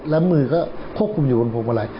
แล้วมือก็ควบคุมอยู่บนผมเมื่อไร